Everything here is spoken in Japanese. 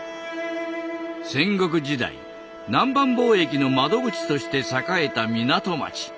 戦国時代南蛮貿易の窓口として栄えた港町。